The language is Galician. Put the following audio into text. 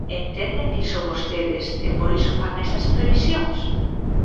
¿Entenden iso vostedes e por iso fan esas previsións?